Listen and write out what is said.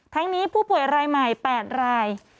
ทั้งนี้ผู้ป่วยรายใหม่๘ราย